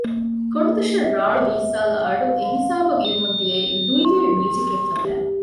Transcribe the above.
ގޮނޑުދޮށަށް ރާޅު ބީއްސާލާ އަޑު އެ ހިސާބަށް އިވެމުން ދިއައީ ލުއި ލުއި މިޔުޒިކެއް ފަދައިން